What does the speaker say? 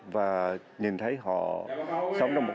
và nhìn thấy họ sống trong một